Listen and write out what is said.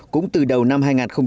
cũng từ đầu năm hai nghìn một mươi bảy